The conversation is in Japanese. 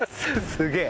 すげえ！